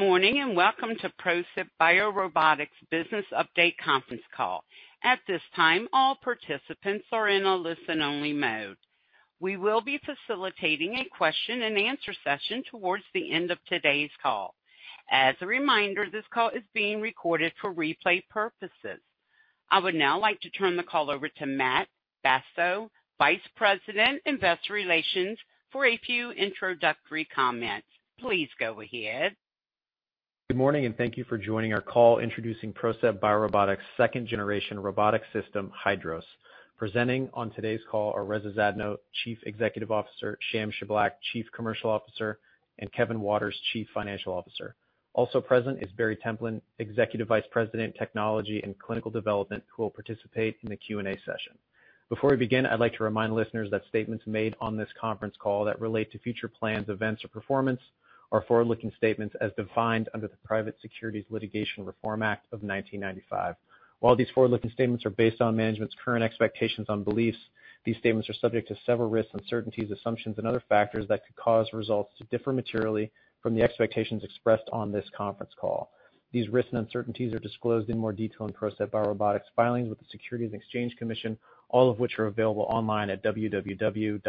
Good morning, and Welcome to PROCEPT BioRobotics Business Update Conference Call. At this time, all participants are in a listen-only mode. We will be facilitating a question-and-answer session towards the end of today's call. As a reminder, this call is being recorded for replay purposes. I would now like to turn the call over to Matt Bacso, Vice President, Investor Relations, for a few introductory comments. Please go ahead. Good morning, and thank you for joining our call introducing PROCEPT BioRobotics second-generation robotic system, Hydros. Presenting on today's call are Reza Zadno, Chief Executive Officer, Sham Shiblaq, Chief Commercial Officer, and Kevin Waters, Chief Financial Officer. Also present is Barry Templin, Executive Vice President, Technology and Clinical Development, who will participate in the Q&A session. Before we begin, I'd like to remind listeners that statements made on this conference call that relate to future plans, events, or performance are forward-looking statements as defined under the Private Securities Litigation Reform Act of nineteen ninety-five. While these forward-looking statements are based on management's current expectations and beliefs, these statements are subject to several risks, uncertainties, assumptions, and other factors that could cause results to differ materially from the expectations expressed on this conference call. These risks and uncertainties are disclosed in more detail in PROCEPT BioRobotics filings with the Securities and Exchange Commission, all of which are available online at www.sec.gov.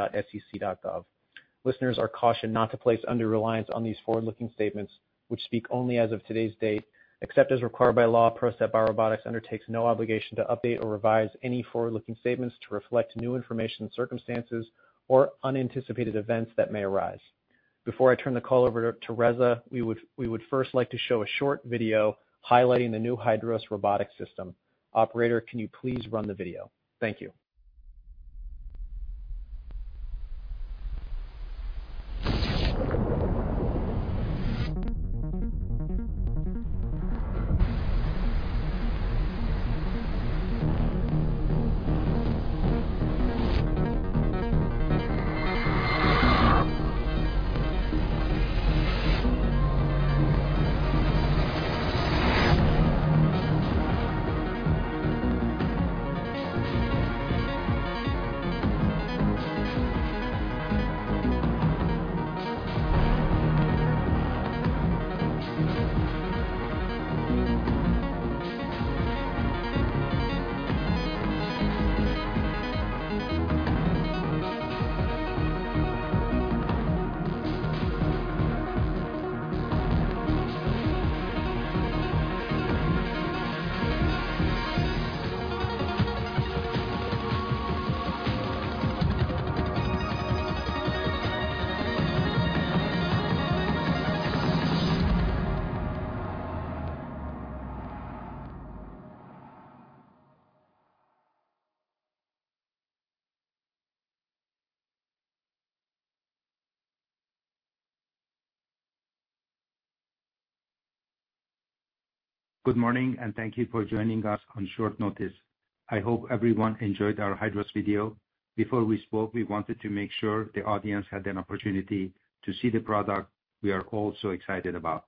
Listeners are cautioned not to place undue reliance on these forward-looking statements, which speak only as of today's date. Except as required by law, PROCEPT BioRobotics undertakes no obligation to update or revise any forward-looking statements to reflect new information, circumstances, or unanticipated events that may arise. Before I turn the call over to Reza, we would first like to show a short video highlighting the new Hydros Robotic System. Operator, can you please run the video? Thank you. Good morning, and thank you for joining us on short notice. I hope everyone enjoyed our Hydros video. Before we spoke, we wanted to make sure the audience had an opportunity to see the product we are all so excited about.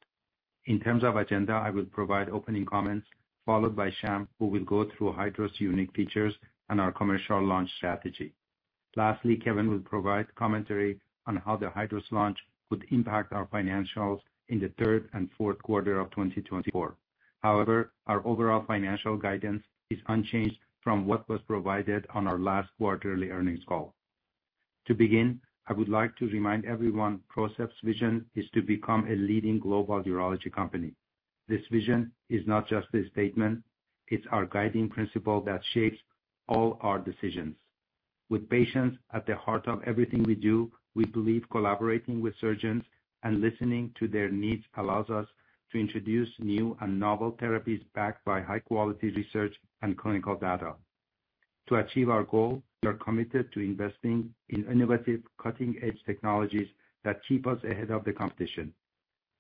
In terms of agenda, I will provide opening comments, followed by Sham, who will go through Hydros unique features and our commercial launch strategy. Lastly, Kevin will provide commentary on how the Hydros launch would impact our financials in the third and fourth quarter of 2024. However, our overall financial guidance is unchanged from what was provided on our last quarterly earnings call. To begin, I would like to remind everyone, vision is to become a leading global urology company. This vision is not just a statement, it's our guiding principle that shapes all our decisions. With patients at the heart of everything we do, we believe collaborating with surgeons and listening to their needs allows us to introduce new and novel therapies backed by high-quality research and clinical data. To achieve our goal, we are committed to investing in innovative, cutting-edge technologies that keep us ahead of the competition.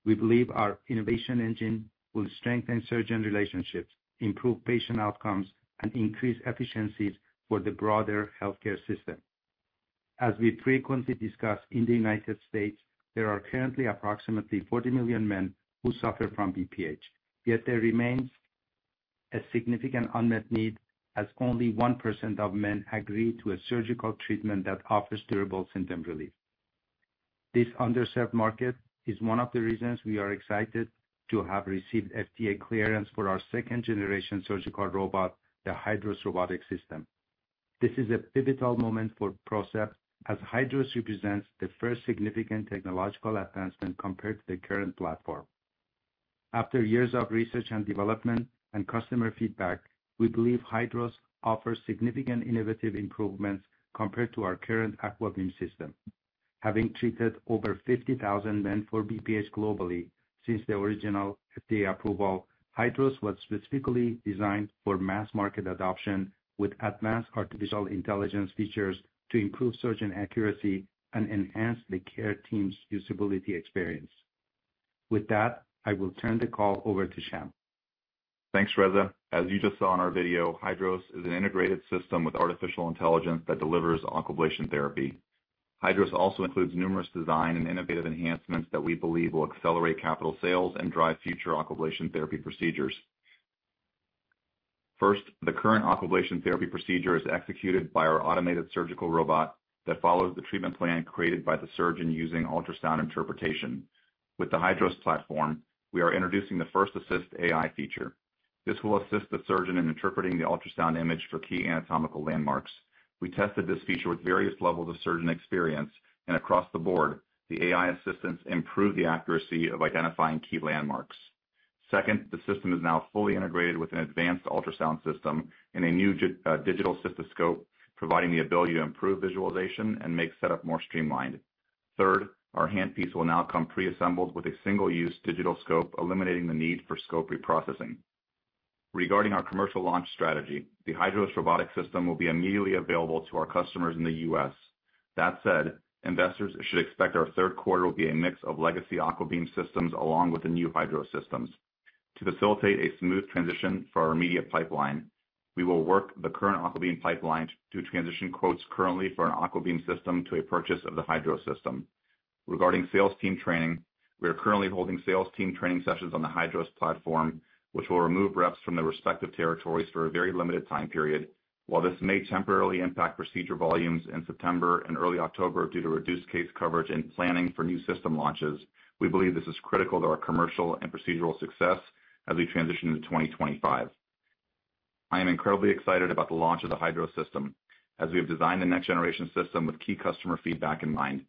We believe our innovation engine will strengthen surgeon relationships, improve patient outcomes, and increase efficiencies for the broader healthcare system. As we frequently discuss, in the United States, there are currently approximately forty million men who suffer from BPH. Yet there remains a significant unmet need, as only 1% of men agree to a surgical treatment that offers durable symptom relief. This underserved market is one of the reasons we are excited to have received FDA clearance for our second-generation surgical robot, the Hydros Robotic System. This is a pivotal moment for PROCEPT as Hydros represents the first significant technological advancement compared to the current platform. After years of research and development and customer feedback, we believe Hydros offers significant innovative improvements compared to our current AquaBeam system. Having treated over 50,000 men for BPH globally since the original FDA approval, Hydros was specifically designed for mass-market adoption, with advanced artificial intelligence features to improve surgeon accuracy and enhance the care team's usability experience. With that, I will turn the call over to Sham. Thanks, Reza. As you just saw in our video, Hydros is an integrated system with artificial intelligence that delivers Aquablation therapy. Hydros also includes numerous design and innovative enhancements that we believe will accelerate capital sales and drive future Aquablation therapy procedures. First, the current Aquablation therapy procedure is executed by our automated surgical robot that follows the treatment plan created by the surgeon using ultrasound interpretation. With the Hydros platform, we are introducing the FirstAssist AI feature. This will assist the surgeon in interpreting the ultrasound image for key anatomical landmarks. We tested this feature with various levels of surgeon experience, and across the board, the AI assistance improved the accuracy of identifying key landmarks. Second, the system is now fully integrated with an advanced ultrasound system and a new digital cystoscope, providing the ability to improve visualization and make setup more streamlined. Third, our handpiece will now come preassembled with a single-use digital scope, eliminating the need for scope reprocessing. Regarding our commercial launch strategy, the Hydros Robotic System will be immediately available to our customers in the US. That said, investors should expect our third quarter will be a mix of legacy AquaBeam systems along with the new Hydros systems. To facilitate a smooth transition for our immediate pipeline, we will work the current AquaBeam pipeline to transition quotes currently for an AquaBeam system to a purchase of the Hydros system. Regarding sales team training, we are currently holding sales team training sessions on the Hydros platform, which will remove reps from their respective territories for a very limited time period. While this may temporarily impact procedure volumes in September and early October due to reduced case coverage and planning for new system launches, we believe this is critical to our commercial and procedural success as we transition into 2025. I am incredibly excited about the launch of the Hydros system, as we have designed the next generation system with key customer feedback in mind.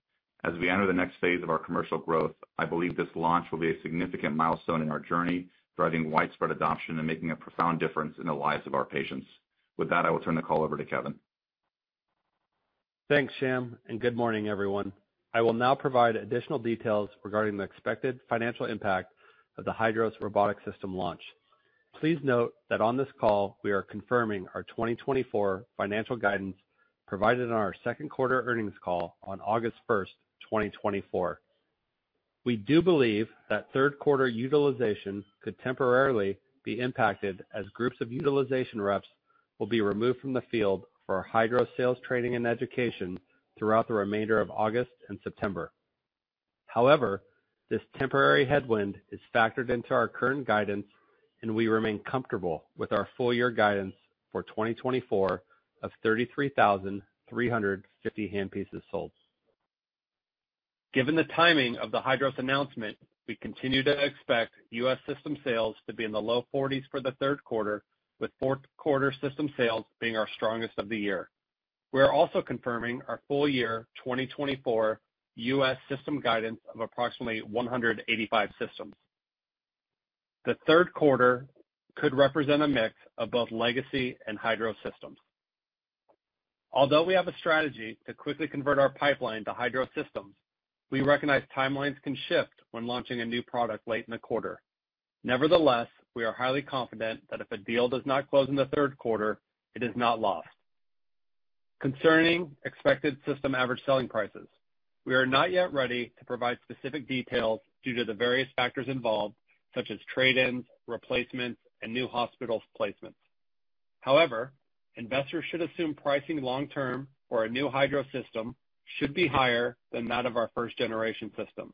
As we enter the next phase of our commercial growth, I believe this launch will be a significant milestone in our journey, driving widespread adoption and making a profound difference in the lives of our patients. With that, I will turn the call over to Kevin. Thanks, Sham, and good morning, everyone. I will now provide additional details regarding the expected financial impact of the Hydros Robotic System launch. Please note that on this call, we are confirming our 2024 financial guidance provided on our second quarter earnings call on August 1st, 2024. We do believe that third quarter utilization could temporarily be impacted as groups of utilization reps will be removed from the field for our Hydros sales training and education throughout the remainder of August and September. However, this temporary headwind is factored into our current guidance, and we remain comfortable with our full-year guidance for 2024 of 33,350 handpieces sold. Given the timing of the Hydros announcement, we continue to expect U.S. system sales to be in the low forties for the third quarter, with fourth quarter system sales being our strongest of the year. We are also confirming our full-year 2024 U.S. system guidance of approximately 185 systems. The third quarter could represent a mix of both legacy and Hydros systems. Although we have a strategy to quickly convert our pipeline to Hydros systems, we recognize timelines can shift when launching a new product late in the quarter. Nevertheless, we are highly confident that if a deal does not close in the third quarter, it is not lost. Concerning expected system average selling prices, we are not yet ready to provide specific details due to the various factors involved, such as trade-ins, replacements, and new hospital placements. However, investors should assume pricing long term for a new Hydros system should be higher than that of our first generation system.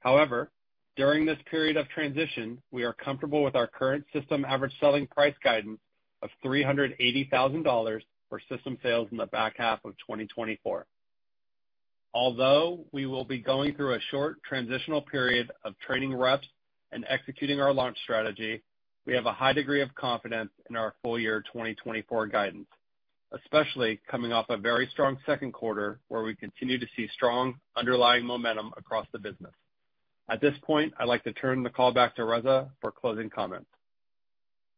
However, during this period of transition, we are comfortable with our current system average selling price guidance of $380,000 for system sales in the back half of 2024. Although we will be going through a short transitional period of training reps and executing our launch strategy, we have a high degree of confidence in our full-year 2024 guidance, especially coming off a very strong second quarter, where we continue to see strong underlying momentum across the business. At this point, I'd like to turn the call back to Reza for closing comments.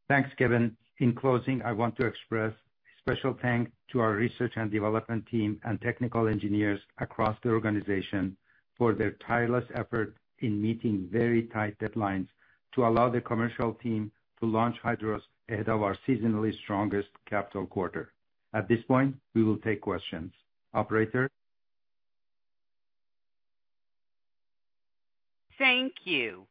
Thanks, Kevin. In closing, I want to express special thanks to our research and development team and technical engineers across the organization for their tireless effort in meeting very tight deadlines to allow the commercial team to launch Hydros ahead of our seasonally strongest capital quarter. At this point, we will take questions. Operator? Thank you.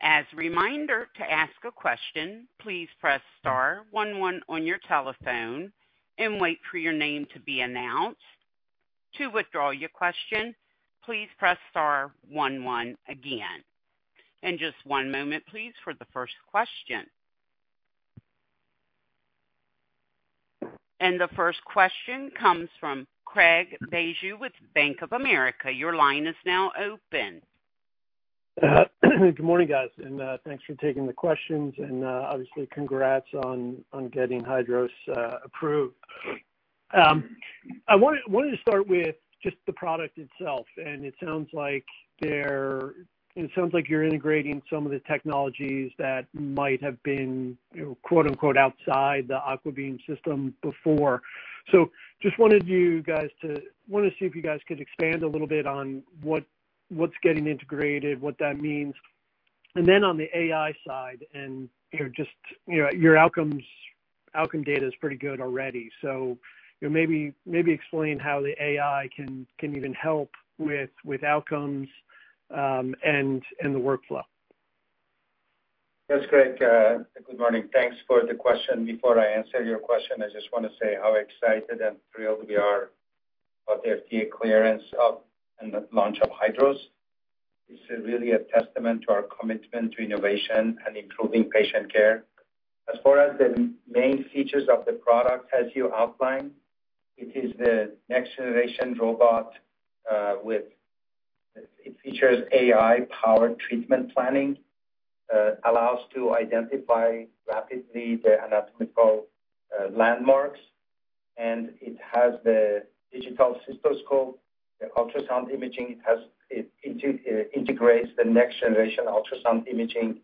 As a reminder, to ask a question, please press star one one on your telephone and wait for your name to be announced. To withdraw your question, please press star one one again. And just one moment, please, for the first question. And the first question comes from Craig Bijou with Bank of America. Your line is now open. Good morning, guys, and thanks for taking the questions. Obviously, congrats on getting Hydros approved. I wanted to start with just the product itself, and it sounds like you're integrating some of the technologies that might have been, you know, quote, unquote, "outside the AquaBeam system before." I wanted to see if you guys could expand a little bit on what's getting integrated, what that means. Then on the AI side, you know, just your outcome data is pretty good already. You know, maybe explain how the AI can even help with outcomes and the workflow. Thanks, Craig. Good morning. Thanks for the question. Before I answer your question, I just want to say how excited and thrilled we are-... of the FDA clearance of and the launch of Hydros. This is really a testament to our commitment to innovation and improving patient care. As far as the main features of the product, as you outlined, it is the next generation robot, with it, it features AI-powered treatment planning, allows to identify rapidly the anatomical landmarks, and it has the digital cystoscope, the ultrasound imaging. It has, it integrates the next generation ultrasound imaging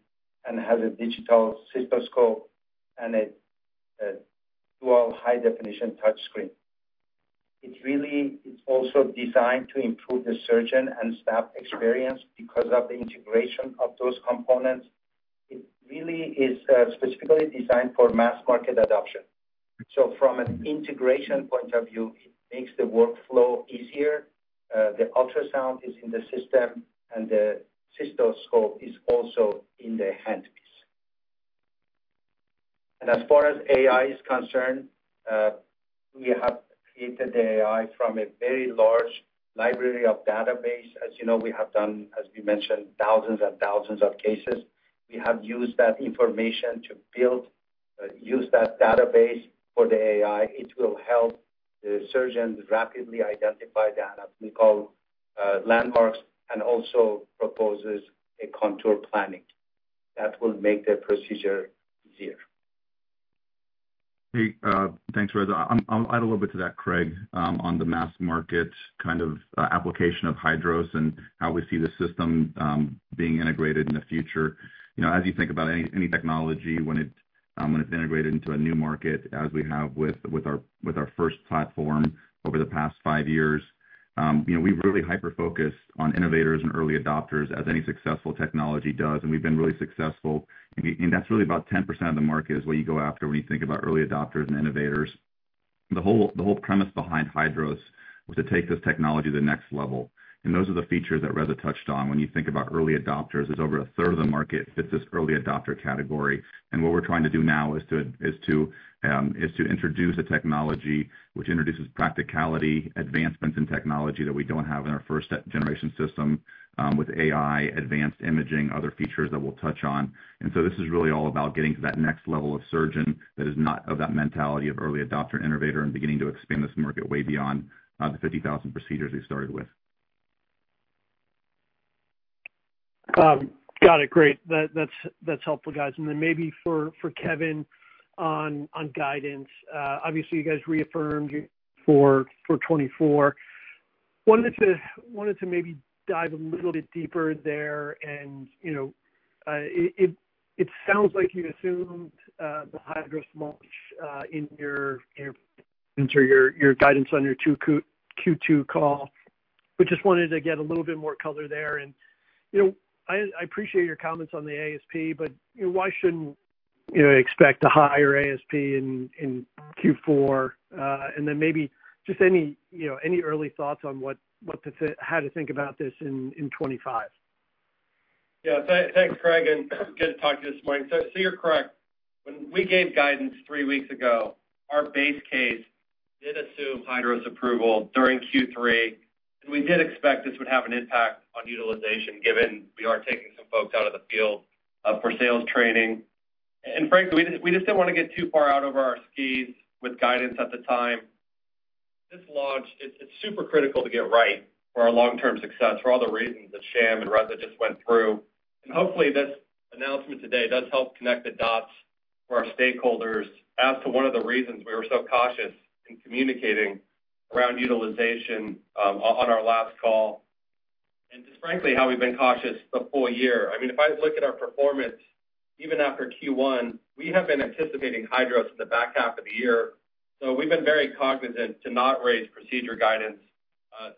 and has a digital cystoscope and a dual high definition touch screen. It's really, it's also designed to improve the surgeon and staff experience because of the integration of those components. It really is specifically designed for mass market adoption. So from an integration point of view, it makes the workflow easier. The ultrasound is in the system, and the cystoscope is also in the handpiece. And as far as AI is concerned, we have created the AI from a very large library of database. As you know, we have done, as we mentioned, thousands and thousands of cases. We have used that information to use that database for the AI. It will help the surgeons rapidly identify the anatomical landmarks and also proposes a contour planning that will make their procedure easier. Hey, thanks, Reza. I'll add a little bit to that, Craig, on the mass market kind of application of Hydros and how we see the system being integrated in the future. You know, as you think about any technology when it's integrated into a new market, as we have with our first platform over the past five years, you know, we've really hyper-focused on innovators and early adopters as any successful technology does, and we've been really successful. And that's really about 10% of the market is what you go after when you think about early adopters and innovators. The whole premise behind Hydros was to take this technology to the next level, and those are the features that Reza touched on. When you think about early adopters, it's over a third of the market fits this early adopter category. And what we're trying to do now is to introduce a technology which introduces practicality, advancements in technology that we don't have in our first generation system, with AI, advanced imaging, other features that we'll touch on. And so this is really all about getting to that next level of surgeon that is not of that mentality of early adopter and innovator, and beginning to expand this market way beyond the 50,000 procedures we started with. Got it. Great. That's helpful, guys. And then maybe for Kevin on guidance. Obviously you guys reaffirmed for 2024. Wanted to maybe dive a little bit deeper there. And, you know, it sounds like you assumed the Hydros launch into your guidance on your two Q2 call. But just wanted to get a little bit more color there. And, you know, I appreciate your comments on the ASP, but, you know, why shouldn't, you know, expect a higher ASP in Q4? And then maybe just any early thoughts on how to think about this in 2025. Yeah, thanks, Craig, and good to talk to you this morning. So you're correct. When we gave guidance three weeks ago, our base case did assume Hydros approval during Q3, and we did expect this would have an impact on utilization, given we are taking some folks out of the field for sales training. And frankly, we just didn't want to get too far out over our skis with guidance at the time. This launch, it's super critical to get right for our long-term success, for all the reasons that Sham and Reza just went through. And hopefully, this announcement today does help connect the dots for our stakeholders as to one of the reasons we were so cautious in communicating around utilization on our last call, and just frankly, how we've been cautious the full-year. I mean, if I look at our performance, even after Q1, we have been anticipating Hydros in the back half of the year, so we've been very cognizant to not raise procedure guidance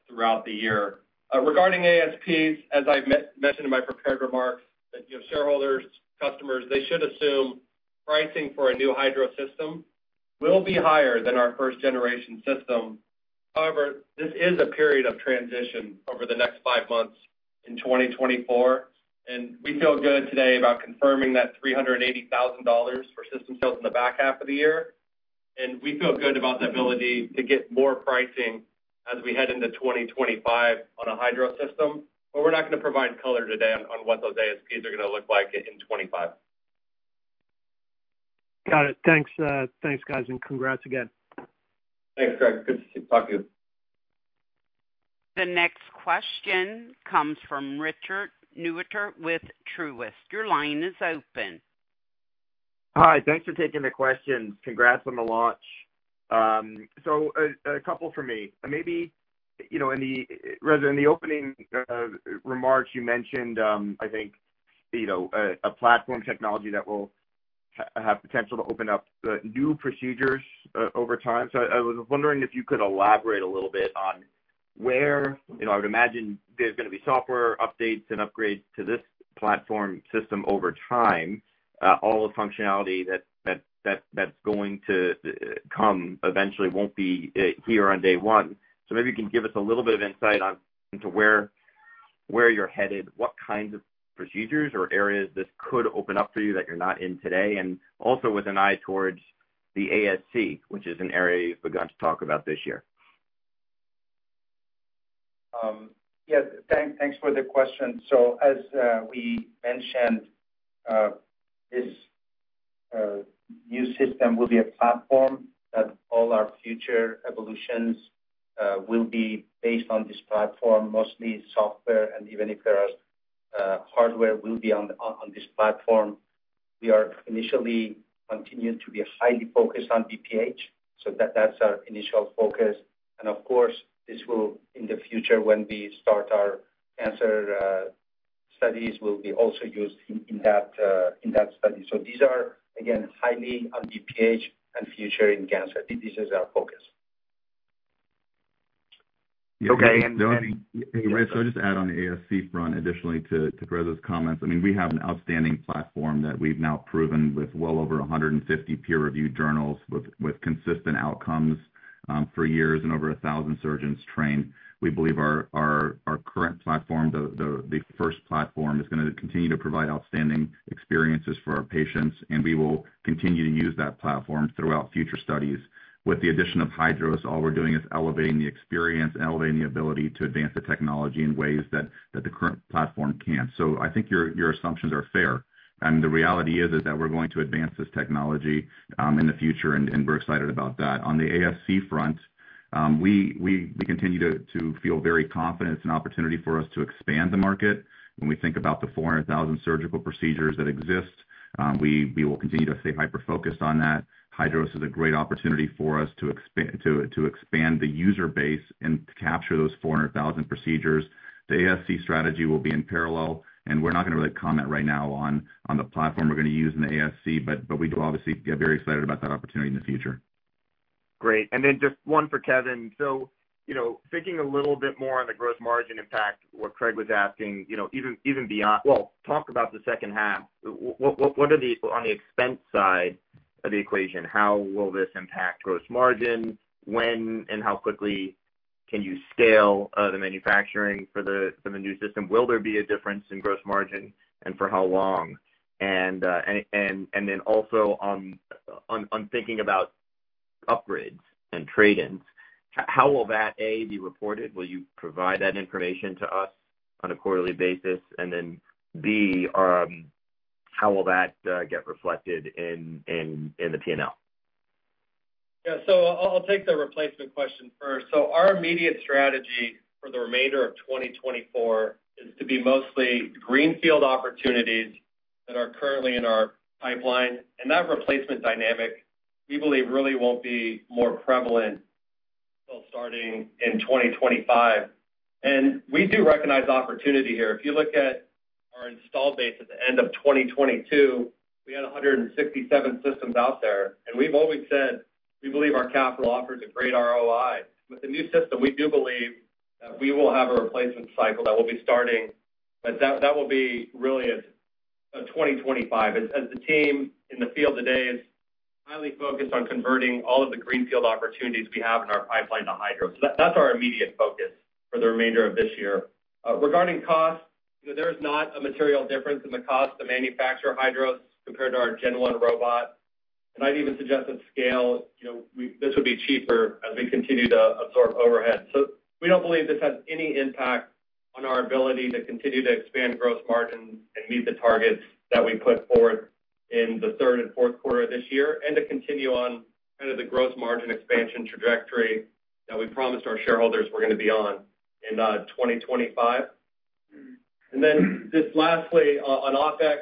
throughout the year. Regarding ASPs, as I mentioned in my prepared remarks, you know, shareholders, customers, they should assume pricing for a new Hydros system will be higher than our first generation system. However, this is a period of transition over the next five months in 2024, and we feel good today about confirming $380,000 for system sales in the back half of the year. We feel good about the ability to get more pricing as we head into 2025 on a Hydros system, but we're not going to provide color today on what those ASPs are going to look like in 2025. Got it. Thanks, thanks, guys, and congrats again. Thanks, Craig. Good to talk to you. The next question comes from Richard Newitter with Truist. Your line is open. Hi, thanks for taking the questions. Congrats on the launch. A couple from me. Maybe, you know, in the opening remarks, Reza, you mentioned, I think, you know, a platform technology that will have potential to open up new procedures over time. I was wondering if you could elaborate a little bit on where. You know, I would imagine there's going to be software updates and upgrades to this platform system over time. All the functionality that's going to come eventually won't be here on day one. Maybe you can give us a little bit of insight on to where.... where you're headed, what kinds of procedures or areas this could open up for you that you're not in today, and also with an eye towards the ASC, which is an area you've begun to talk about this year? Yes, thanks for the question. So as we mentioned, this new system will be a platform that all our future evolutions will be based on this platform, mostly software, and even if there are hardware will be on this platform. We are initially continuing to be highly focused on BPH, so that's our initial focus. And of course, this will, in the future, when we start our cancer studies, will be also used in that study. So these are, again, highly on BPH and future in cancer. I think this is our focus. Okay, and- Hey, Rich, so I'll just add on the ASC front additionally to Reza's comments. I mean, we have an outstanding platform that we've now proven with well over 150 peer-reviewed journals with consistent outcomes for years and over 1,000 surgeons trained. We believe our current platform, the first platform, is gonna continue to provide outstanding experiences for our patients, and we will continue to use that platform throughout future studies. With the addition of Hydros, all we're doing is elevating the experience and elevating the ability to advance the technology in ways that the current platform can't. So I think your assumptions are fair, and the reality is that we're going to advance this technology in the future, and we're excited about that. On the ASC front, we continue to feel very confident. It's an opportunity for us to expand the market. When we think about the four hundred thousand surgical procedures that exist, we will continue to stay hyper-focused on that. Hydros is a great opportunity for us to expand the user base and to capture those four hundred thousand procedures. The ASC strategy will be in parallel, and we're not gonna really comment right now on the platform we're gonna use in the ASC, but we do obviously get very excited about that opportunity in the future. Great. And then just one for Kevin. So, you know, thinking a little bit more on the gross margin impact, what Craig was asking, you know, even beyond. Talk about the H2. What are the, on the expense side of the equation, how will this impact gross margin? When and how quickly can you scale the manufacturing for the new system? Will there be a difference in gross margin, and for how long? And then also on thinking about upgrades and trade-ins, how will that, A, be reported? Will you provide that information to us on a quarterly basis? And then, B, how will that get reflected in the P&L? Yeah, so I'll take the replacement question first. So our immediate strategy for the remainder of 2024 is to be mostly greenfield opportunities that are currently in our pipeline. And that replacement dynamic, we believe, really won't be more prevalent till starting in 2025. And we do recognize opportunity here. If you look at our install base at the end of 2022, we had 167 systems out there, and we've always said we believe our capital offers a great ROI. With the new system, we do believe that we will have a replacement cycle that will be starting, but that will be really a 2025. As the team in the field today is highly focused on converting all of the greenfield opportunities we have in our pipeline to Hydros. So that's our immediate focus for the remainder of this year. Regarding costs, you know, there is not a material difference in the cost to manufacture Hydros compared to our Gen one robot. And I'd even suggest that scale, you know, this would be cheaper as we continue to absorb overhead. So we don't believe this has any impact on our ability to continue to expand gross margins and meet the targets that we put forth in the third and fourth quarter of this year, and to continue on kind of the gross margin expansion trajectory that we promised our shareholders we're gonna be on in 2025. And then, just lastly, on OpEx,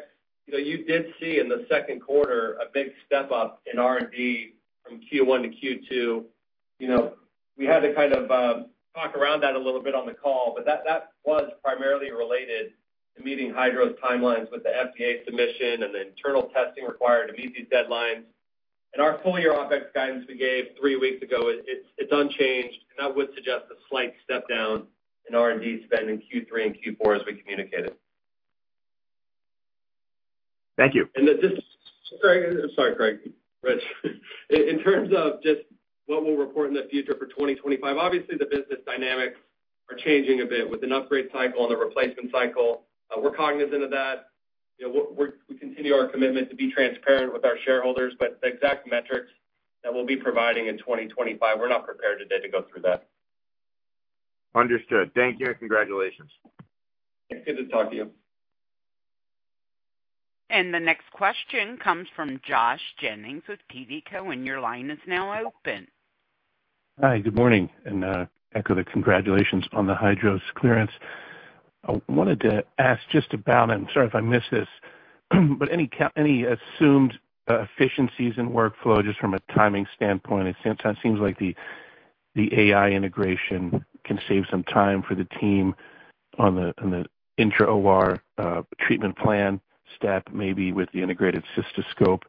you know, you did see in the second quarter a big step up in R&D from Q1 to Q2. You know, we had to kind of talk around that a little bit on the call, but that was primarily related to meeting Hydros timelines with the FDA submission and the internal testing required to meet these deadlines, and our full-year OpEx guidance we gave three weeks ago, it's unchanged, and that would suggest a slight step down in R&D spend in Q3 and Q4, as we communicated. Thank you. Sorry, Craig. Rich, in terms of just what we'll report in the future for 2025, obviously, the business dynamics are changing a bit with an upgrade cycle and a replacement cycle. We're cognizant of that. You know, we continue our commitment to be transparent with our shareholders, but the exact metrics that we'll be providing in 2025, we're not prepared today to go through that. Understood. Thank you, and congratulations. Good to talk to you. The next question comes from Josh Jennings with TD Cowen. Your line is now open. Hi, good morning, and echo the congratulations on the Hydros clearance. I wanted to ask just about, and sorry if I missed this, but any assumed efficiencies in workflow, just from a timing standpoint? It seems like the AI integration can save some time for the team on the intra-OR treatment plan step, maybe with the integrated cystoscope,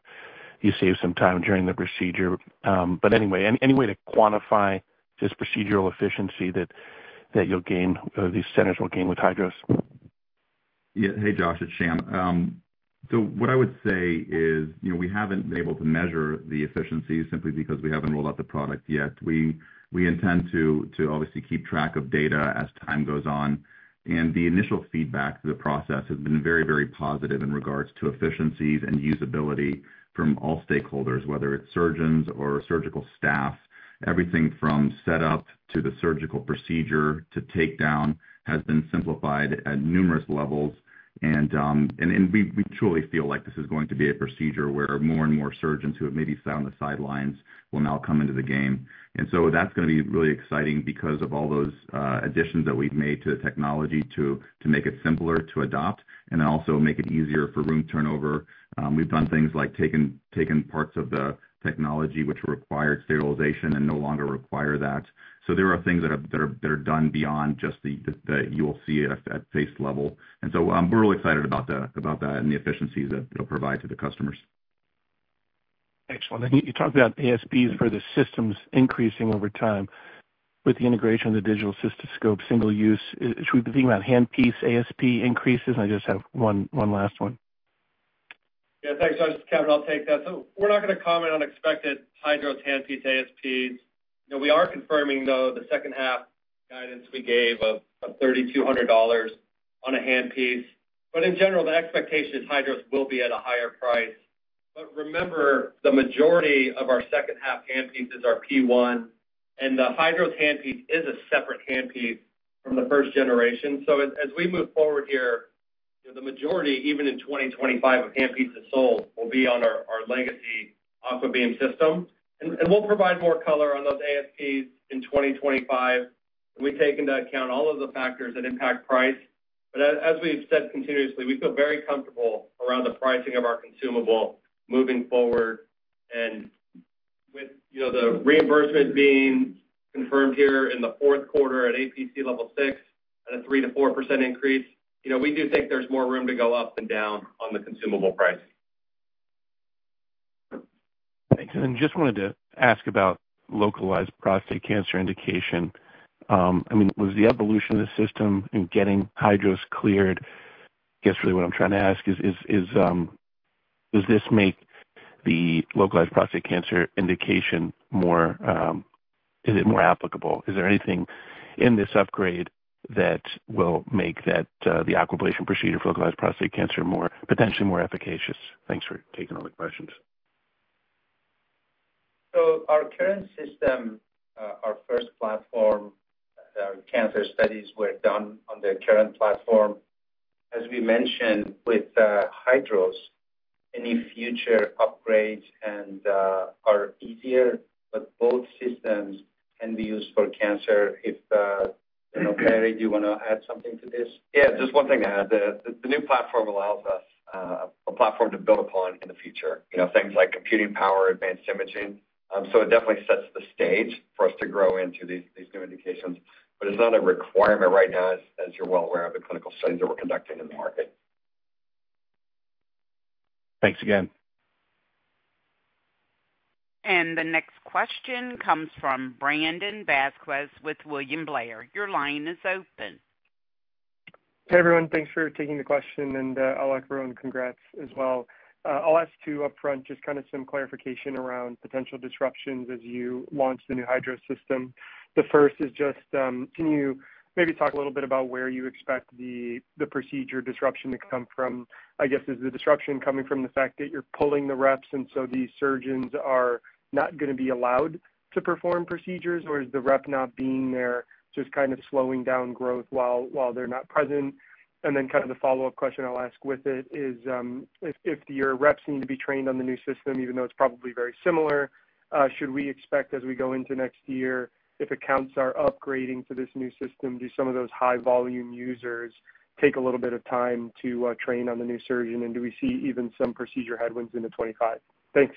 you save some time during the procedure. But anyway, any way to quantify this procedural efficiency that you'll gain or these centers will gain with Hydros?... Yeah. Hey, Josh, it's Sham. So what I would say is, you know, we haven't been able to measure the efficiency simply because we haven't rolled out the product yet. We intend to obviously keep track of data as time goes on, and the initial feedback to the process has been very, very positive in regards to efficiencies and usability from all stakeholders, whether it's surgeons or surgical staff. Everything from setup to the surgical procedure to take down has been simplified at numerous levels, and we truly feel like this is going to be a procedure where more and more surgeons who have maybe sat on the sidelines will now come into the game. And so that's going to be really exciting because of all those additions that we've made to the technology to make it simpler to adopt and then also make it easier for room turnover. We've done things like taking parts of the technology which required sterilization and no longer require that. So there are things that are done beyond just the, you will see at face level. And so, we're really excited about that and the efficiencies that it'll provide to the customers. Excellent. You talked about ASPs for the systems increasing over time. With the integration of the digital cystoscope, single use, should we be thinking about handpiece ASP increases? I just have one last one. Yeah, thanks. So Kevin, I'll take that. We're not going to comment on expected Hydros handpiece ASPs. You know, we are confirming, though, the H2 guidance we gave of $3200 on a handpiece. But in general, the expectation is Hydros will be at a higher price. But remember, the majority of our H2 handpieces are P1, and the Hydros handpiece is a separate handpiece from the first generation. So as we move forward here, you know, the majority, even in 2025, of handpieces sold will be on our legacy AquaBeam system. And we'll provide more color on those ASPs in 2025. We take into account all of the factors that impact price. But as we've said continuously, we feel very comfortable around the pricing of our consumable moving forward. With, you know, the reimbursement being confirmed here in the fourth quarter at APC level six at a 3%-4% increase, you know, we do think there's more room to go up and down on the consumable price. Thanks, and just wanted to ask about localized prostate cancer indication. I mean, was the evolution of the system in getting Hydros cleared... I guess really what I'm trying to ask is, does this make the localized prostate cancer indication more, is it more applicable? Is there anything in this upgrade that will make that, the Aquablation procedure for localized prostate cancer more, potentially more efficacious? Thanks for taking all the questions. So our current system, our first platform, cancer studies were done on the current platform. As we mentioned, with Hydros, any future upgrades and are easier, but both systems can be used for cancer. If you know, Barry, do you want to add something to this? Yeah, just one thing to add. The new platform allows us a platform to build upon in the future, you know, things like computing power, advanced imaging. So it definitely sets the stage for us to grow into these new indications. But it's not a requirement right now, as you're well aware, of the clinical studies that we're conducting in the market. Thanks again. The next question comes from Brandon Vazquez with William Blair. Your line is open. Hey, everyone, thanks for taking the question, and I'll offer everyone congrats as well. I'll ask two upfront, just kind of some clarification around potential disruptions as you launch the new Hydros system. The first is just, can you maybe talk a little bit about where you expect the procedure disruption to come from? I guess, is the disruption coming from the fact that you're pulling the reps, and so these surgeons are not going to be allowed to perform procedures, or is the rep not being there just kind of slowing down growth while they're not present? And then kind of the follow-up question I'll ask with it is, if your reps need to be trained on the new system, even though it's probably very similar, should we expect as we go into next year, if accounts are upgrading to this new system, do some of those high volume users take a little bit of time to train on the new system? And do we see even some procedure headwinds into 2025? Thanks.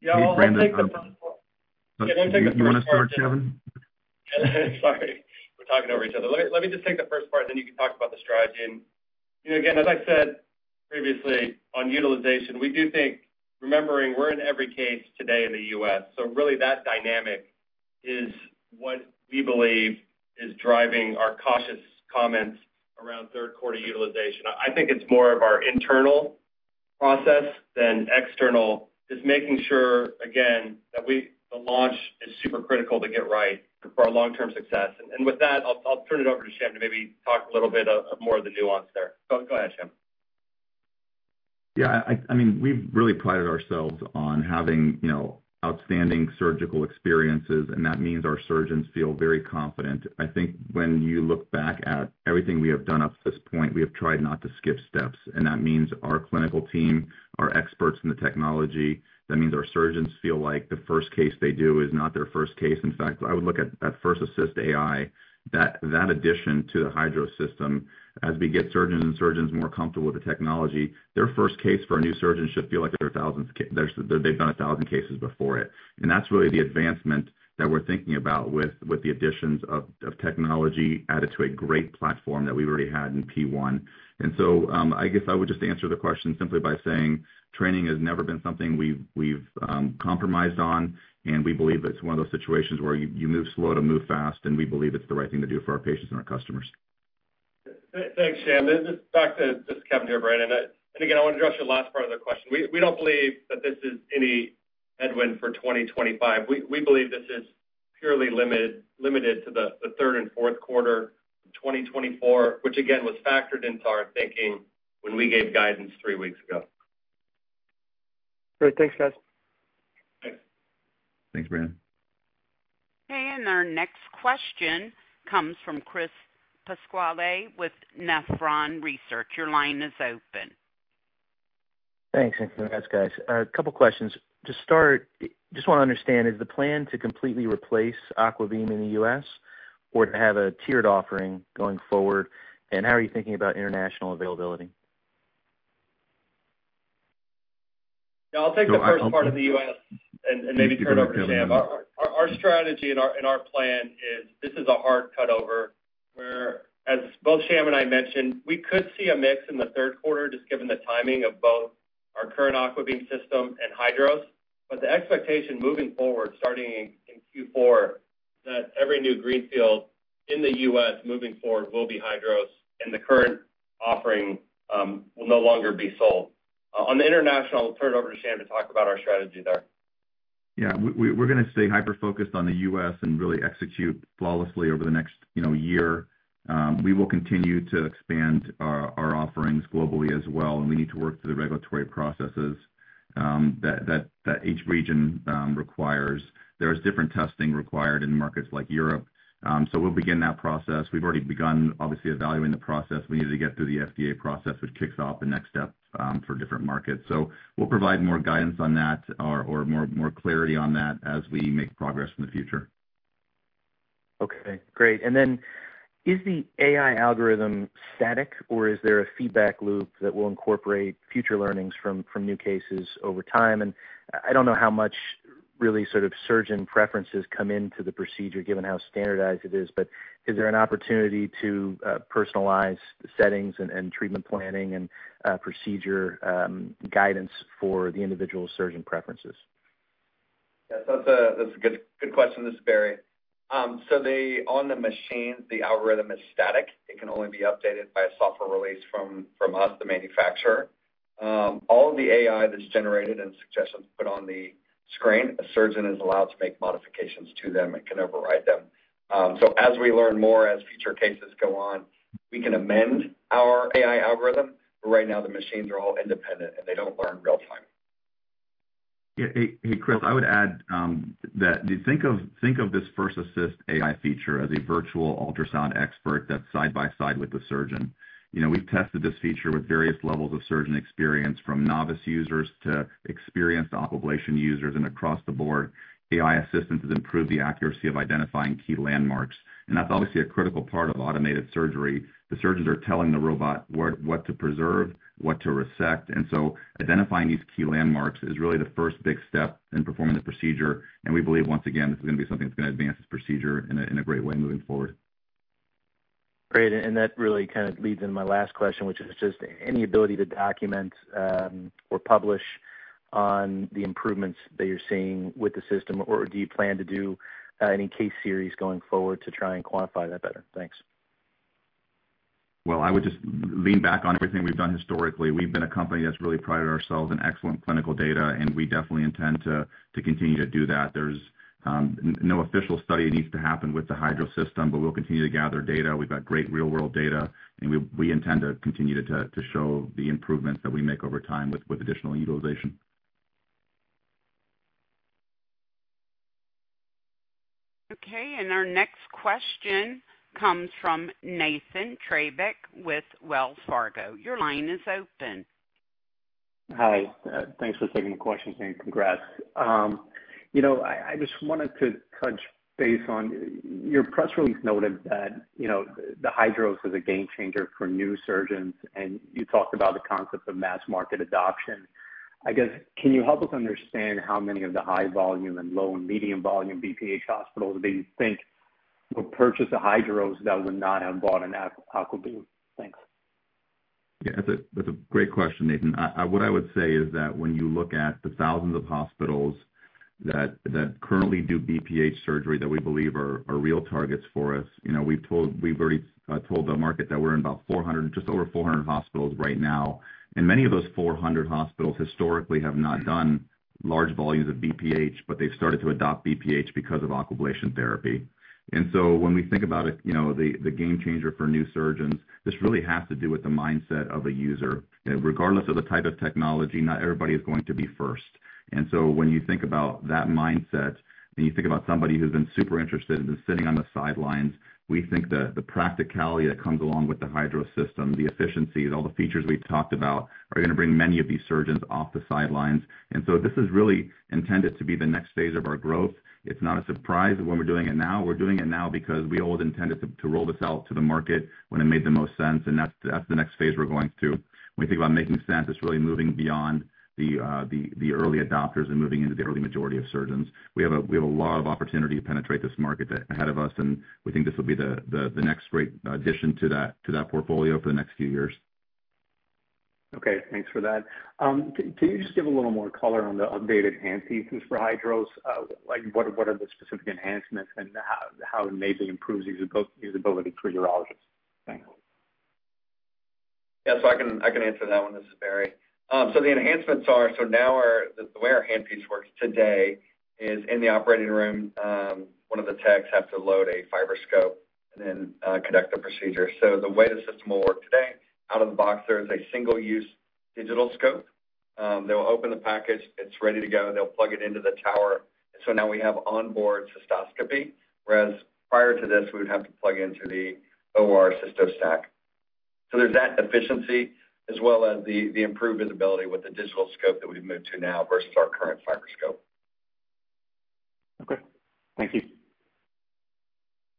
Yeah, I'll take the first one. You want to start, Kevin? Sorry, we're talking over each other. Let me, let me just take the first part, then you can talk about the strategy. And again, as I said previously, on utilization, we do think, remembering we're in every case today in the U.S., so really that dynamic is what we believe is driving our cautious comments around third quarter utilization. I think it's more of our internal process than external. Just making sure, again, that we, the launch is super critical to get right for our long-term success. And, and with that, I'll, I'll turn it over to Sham to maybe talk a little bit of, of more of the nuance there. Go, go ahead, Sham. Yeah, I mean, we've really prided ourselves on having, you know, outstanding surgical experiences, and that means our surgeons feel very confident. I think when you look back at everything we have done up to this point, we have tried not to skip steps, and that means our clinical team are experts in the technology. That means our surgeons feel like the first case they do is not their first case. In fact, I would look at First Assist AI, that addition to the Hydros system, as we get surgeons more comfortable with the technology, their first case for a new surgeon should feel like their thousandth case. They've done a thousand cases before it. And that's really the advancement that we're thinking about with the additions of technology added to a great platform that we've already had in P-1. I guess I would just answer the question simply by saying training has never been something we've compromised on, and we believe it's one of those situations where you move slow to move fast, and we believe it's the right thing to do for our patients and our customers.... Thanks, Sham. This is Kevin here, Brian. And again, I want to address your last part of the question. We don't believe that this is any headwind for 2025. We believe this is purely limited to the third and fourth quarter of 2024, which again, was factored into our thinking when we gave guidance three weeks ago. Great. Thanks, guys. Thanks. Thanks, Bran. Okay, and our next question comes from Chris Pasquale with Nephron Research. Your line is open. Thanks, and congrats, guys. A couple questions. To start, just want to understand, is the plan to completely replace AquaBeam in the U.S. or to have a tiered offering going forward? And how are you thinking about international availability? Yeah, I'll take the first part of the U.S. and maybe turn it over to Sham. Our strategy and our plan is this is a hard cut over, where, as both Sham and I mentioned, we could see a mix in the third quarter, just given the timing of both our current AquaBeam system and Hydros. But the expectation moving forward, starting in Q4, that every new greenfield in the U.S. moving forward will be Hydros, and the current offering will no longer be sold. On the international, I'll turn it over to Sham to talk about our strategy there. Yeah, we're going to stay hyper-focused on the U.S. and really execute flawlessly over the next, you know, year. We will continue to expand our offerings globally as well, and we need to work through the regulatory processes that each region requires. There's different testing required in markets like Europe, so we'll begin that process. We've already begun, obviously, evaluating the process. We need to get through the FDA process, which kicks off the next step for different markets. So we'll provide more guidance on that or more clarity on that as we make progress in the future. Okay, great. And then, is the AI algorithm static, or is there a feedback loop that will incorporate future learnings from new cases over time? And I don't know how much really sort of surgeon preferences come into the procedure, given how standardized it is, but is there an opportunity to personalize the settings and treatment planning and procedure guidance for the individual surgeon preferences? Yeah, that's a good question. This is Barry. So on the machine, the algorithm is static. It can only be updated by a software release from us, the manufacturer. All the AI that's generated and suggestions put on the screen, a surgeon is allowed to make modifications to them and can override them. So as we learn more, as future cases go on, we can amend our AI algorithm, but right now, the machines are all independent, and they don't learn real-time. Yeah. Hey, hey, Chris, I would add that think of this First Assist AI feature as a virtual ultrasound expert that's side by side with the surgeon. You know, we've tested this feature with various levels of surgeon experience, from novice users to experienced Aquablation users, and across the board, AI assistance has improved the accuracy of identifying key landmarks, and that's obviously a critical part of automated surgery. The surgeons are telling the robot where what to preserve, what to resect, and so identifying these key landmarks is really the first big step in performing the procedure. And we believe, once again, this is going to be something that's going to advance this procedure in a great way moving forward. Great. And that really kind of leads into my last question, which is just any ability to document, or publish on the improvements that you're seeing with the system, or do you plan to do, any case series going forward to try and quantify that better? Thanks. I would just lean back on everything we've done historically. We've been a company that's really prided ourselves on excellent clinical data, and we definitely intend to continue to do that. There's no official study needs to happen with the Hydros system, but we'll continue to gather data. We've got great real-world data, and we intend to continue to show the improvements that we make over time with additional utilization. Okay, and our next question comes from Nathan Treybeck with Wells Fargo. Your line is open. Hi, thanks for taking the question, and congrats. You know, I just wanted to touch base on... Your press release noted that, you know, the Hydros is a game changer for new surgeons, and you talked about the concept of mass market adoption. I guess, can you help us understand how many of the high volume and low and medium volume BPH hospitals do you think will purchase a Hydros that would not have bought an AquaBeam? Thanks. Yeah, that's a great question, Nathan. What I would say is that when you look at the thousands of hospitals that currently do BPH surgery that we believe are real targets for us, you know, we've already told the market that we're in about 400, just over 400 hospitals right now, and many of those 400 hospitals historically have not done large volumes of BPH, but they've started to adopt BPH because of Aquablation therapy, and so when we think about it, you know, the game changer for new surgeons, this really has to do with the mindset of a user. Regardless of the type of technology, not everybody is going to be first. And so when you think about that mindset and you think about somebody who's been super interested and been sitting on the sidelines, we think that the practicality that comes along with the Hydros system, the efficiencies, all the features we've talked about, are going to bring many of these surgeons off the sidelines. And so this is really intended to be the next phase of our growth. It's not a surprise when we're doing it now. We're doing it now because we always intended to roll this out to the market when it made the most sense, and that's the next phase we're going through. When we think about making sense, it's really moving beyond the early adopters and moving into the early majority of surgeons. We have a lot of opportunity to penetrate this market ahead of us, and we think this will be the next great addition to that portfolio for the next few years. ... Okay, thanks for that. Can you just give a little more color on the updated handpieces for Hydros? Like, what are the specific enhancements and how it maybe improves usability for urologists? Thanks. Yeah, so I can, I can answer that one. This is Barry. So the enhancements are, so now the way our handpiece works today is in the operating room, one of the techs have to load a fiber scope and then conduct the procedure. So the way the system will work today, out of the box, there is a single-use digital scope. They'll open the package, it's ready to go, and they'll plug it into the tower. So now we have onboard cystoscopy, whereas prior to this, we would have to plug into the OR cysto stack. So there's that efficiency, as well as the improved visibility with the digital scope that we've moved to now versus our current fiber scope. Okay, thank you.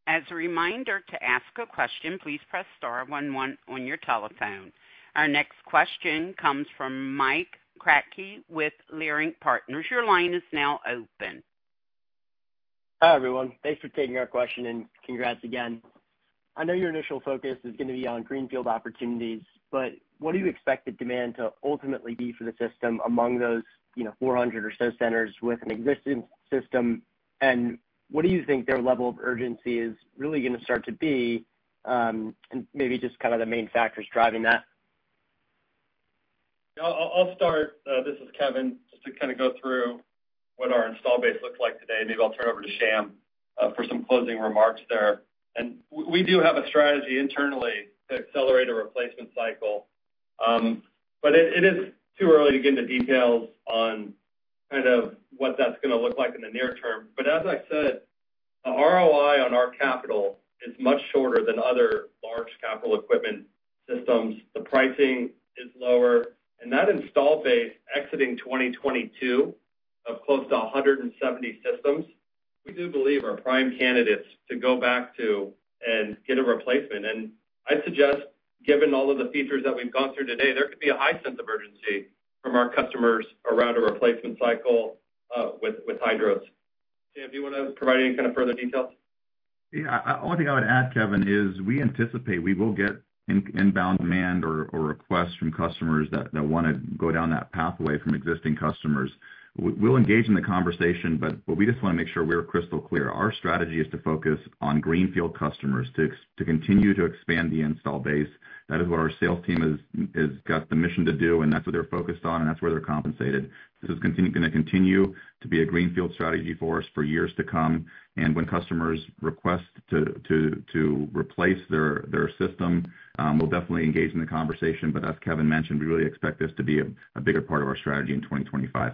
As a reminder, to ask a question, please press star one one on your telephone. Our next question comes from Mike Kratky with Leerink Partners. Your line is now open. Hi, everyone. Thanks for taking our question, and congrats again. I know your initial focus is gonna be on greenfield opportunities, but what do you expect the demand to ultimately be for the system among those, you know, 400 or so centers with an existing system? And what do you think their level of urgency is really gonna start to be, and maybe just kind of the main factors driving that? Yeah, I'll start. This is Kevin, just to kind of go through what our install base looks like today. Maybe I'll turn it over to Sham for some closing remarks there. We do have a strategy internally to accelerate a replacement cycle, but it is too early to get into details on kind of what that's gonna look like in the near term. As I said, the ROI on our capital is much shorter than other large capital equipment systems. The pricing is lower, and that install base exiting 2022 of close to 170 systems, we do believe are prime candidates to go back to and get a replacement. And I'd suggest, given all of the features that we've gone through today, there could be a high sense of urgency from our customers around a replacement cycle with Hydros. Sham, do you want to provide any kind of further details? Yeah. Only thing I would add, Kevin, is we anticipate we will get inbound demand or requests from customers that wanna go down that pathway from existing customers. We'll engage in the conversation, but we just wanna make sure we're crystal clear. Our strategy is to focus on greenfield customers, to continue to expand the install base. That is what our sales team is got the mission to do, and that's what they're focused on, and that's where they're compensated. This is gonna continue to be a greenfield strategy for us for years to come, and when customers request to replace their system, we'll definitely engage in the conversation. But as Kevin mentioned, we really expect this to be a bigger part of our strategy in 2025.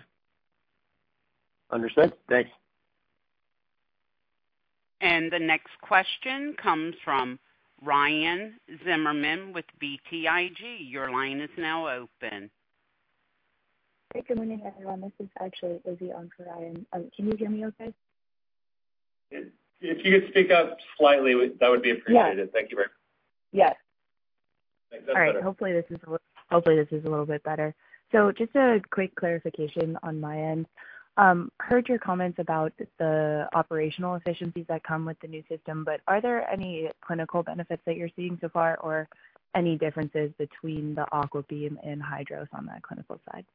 Understood. Thanks. The next question comes from Ryan Zimmerman with BTIG. Your line is now open. Hey, good morning, everyone. This is actually Izzy on for Ryan. Can you hear me okay? If you could speak up slightly, that would be appreciated. Yes. Thank you very much. Yes. That's better. All right. Hopefully, this is a little bit better. So just a quick clarification on my end. Heard your comments about the operational efficiencies that come with the new system, but are there any clinical benefits that you're seeing so far, or any differences between the AquaBeam and Hydros on that clinical side?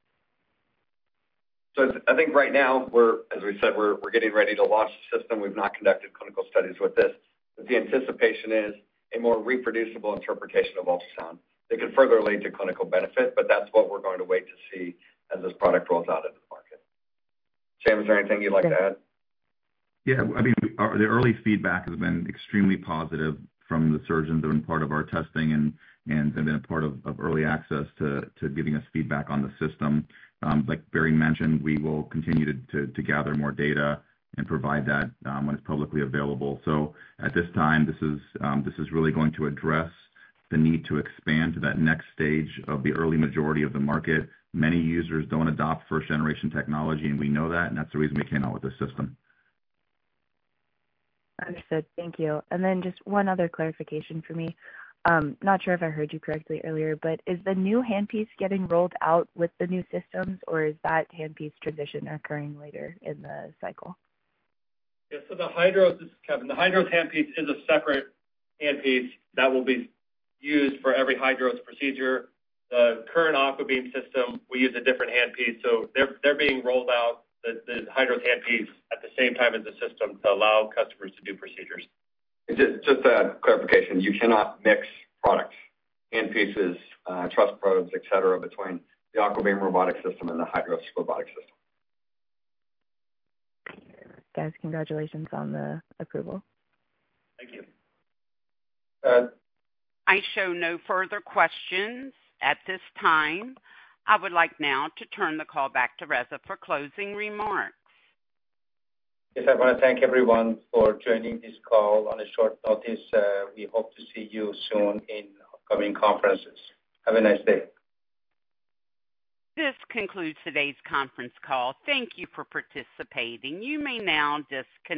So I think right now, we're, as we said, getting ready to launch the system. We've not conducted clinical studies with this. The anticipation is a more reproducible interpretation of ultrasound that could further lead to clinical benefit, but that's what we're going to wait to see as this product rolls out in the market. Sham, is there anything you'd like to add? Yeah, I mean, the early feedback has been extremely positive from the surgeons who have been part of our testing and have been a part of early access to giving us feedback on the system. Like Barry mentioned, we will continue to gather more data and provide that when it's publicly available. So at this time, this is really going to address the need to expand to that next stage of the early majority of the market. Many users don't adopt first-generation technology, and we know that, and that's the reason we came out with this system. Understood. Thank you. And then just one other clarification for me. Not sure if I heard you correctly earlier, but is the new handpiece getting rolled out with the new systems, or is that handpiece transition occurring later in the cycle? This is Kevin. The Hydros handpiece is a separate handpiece that will be used for every Hydros procedure. The current AquaBeam system, we use a different handpiece, so they're being rolled out, the Hydros handpiece, at the same time as the system to allow customers to do procedures. Just, just a clarification, you cannot mix products, handpieces, TRUS probes, et cetera, between the AquaBeam Robotic System and the Hydros Robotic System. Guys, congratulations on the approval. Thank you. I show no further questions at this time. I would like now to turn the call back to Reza for closing remarks. Yes, I want to thank everyone for joining this call on a short notice. We hope to see you soon in upcoming conferences. Have a nice day. This concludes today's conference call. Thank you for participating. You may now disconnect.